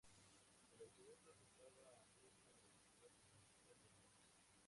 El autobús transportaba a miembros de la Seguridad Presidencial de Túnez.